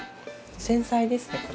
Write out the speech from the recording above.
繊細ですねこれ。